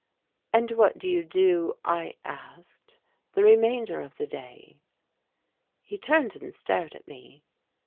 "And what do you do," I asked, "the remainder of the day?" He turned and stared at me.